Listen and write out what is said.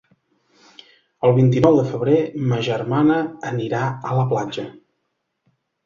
El vint-i-nou de febrer ma germana anirà a la platja.